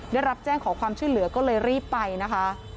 ได้รับแจ้งขอความช่วยเหลือก็เลยรีบไปนะคะ